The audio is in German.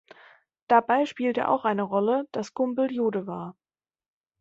Dabei spielte auch eine Rolle, dass Gumbel Jude war.